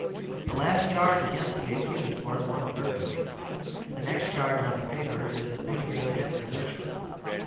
The last charge against the accused was one of burglary; the next charge on the paper is of bigamy and desertion.